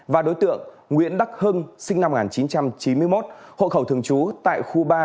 và đối tượng nguyễn đắc hưng sinh năm một nghìn chín trăm chín mươi một hộ khẩu thường trú tại khu ba